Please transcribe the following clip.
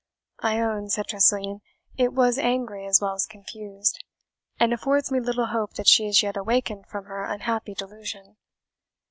"I own," said Tressilian, "it was angry as well as confused, and affords me little hope that she is yet awakened from her unhappy delusion."